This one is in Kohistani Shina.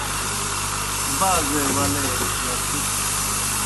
بازے ولے لڇُھک